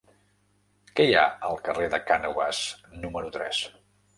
Què hi ha al carrer de Cànoves número tres?